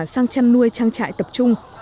sang chăn nuôi trang trại tập trung